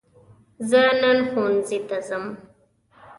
زه نن ښوونځي ته ځم.